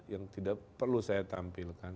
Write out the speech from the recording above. yang tidak perlu saya tampilkan